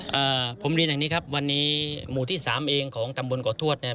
อ่าผมเรียนอย่างนี้ครับวันนี้หมู่ที่สามเองของตำบลก่อทวดเนี้ย